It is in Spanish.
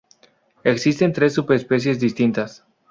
Existen tres subespecies distintas.